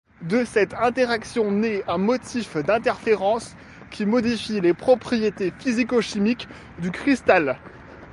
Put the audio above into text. De cette interaction naît un motif d'interférences qui modifie les propriétés physico-chimiques du cristal.